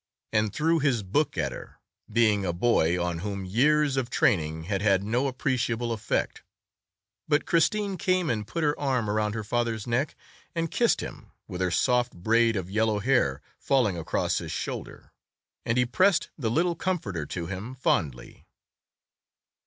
and threw his book at her, being a boy on whom years of training had had no appreciable effect; but Christine came and put her arm around her father's neck and kissed him, with her soft braid of yellow hair falling across his shoulder, and he pressed the little comforter to him fondly.